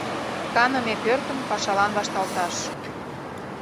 Каныме пӧртым пашалан вашталташ...